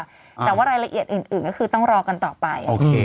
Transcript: แต่ว่ารายละเอียดอื่นก็คือต้องรอกันต่อไป